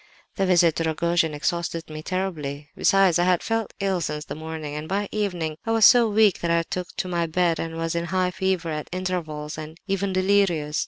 "The visit to Rogojin exhausted me terribly. Besides, I had felt ill since the morning; and by evening I was so weak that I took to my bed, and was in high fever at intervals, and even delirious.